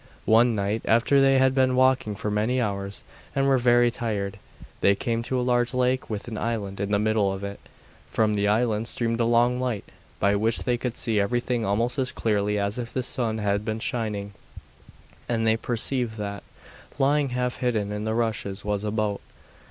One night, after they had been walking for many hours and were very tired, they came to a large lake with an island in the middle of it. From the island streamed a strong light, by which they could see everything almost as clearly as if the sun had been shining, and they perceived that, lying half hidden in the rushes, was a boat.